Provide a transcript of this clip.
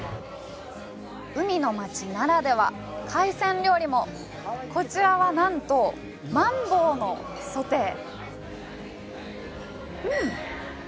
海の町ならでは海鮮料理もこちらはなんとマンボウのソテーうん！